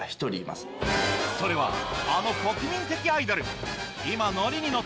それはあの国民的アイドル今ノリにノ